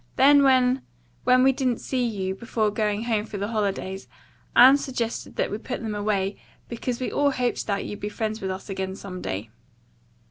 Then, when when we didn't see you before going home for the holidays, Anne suggested that we put them away, because we all hoped that you'd be friends with us again some day."